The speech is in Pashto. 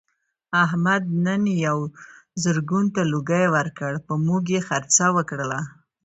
احمد نن یوه زرګون ته لوګی ورکړ په موږ یې خرڅه وکړله.